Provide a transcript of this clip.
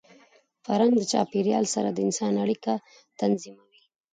فرهنګ د چاپېریال سره د انسان اړیکه تنظیموي.